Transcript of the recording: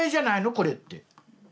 これ」って。